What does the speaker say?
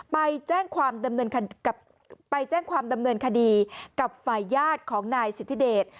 ไปแจ้งความดำเนินคดีกับฝ่ายญาติของนายสิทธิเดช